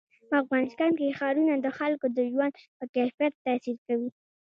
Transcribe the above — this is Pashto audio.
په افغانستان کې ښارونه د خلکو د ژوند په کیفیت تاثیر کوي.